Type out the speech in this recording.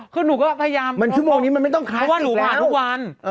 คือหนูก็พยายามเพราะว่าหนูผ่านทุกวันชั่วโมงนี้มันไม่ต้องคลาสิกแล้ว